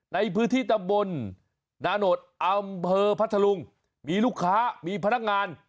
ในพื้นที่ตำบลนาโนธอำเภอพัทธลุงมีลูกค้ามีพนักงาน